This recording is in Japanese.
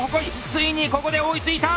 ついにここで追いついた！